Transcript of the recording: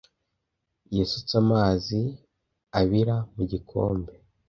Yasutse amazi abira mu gikombe.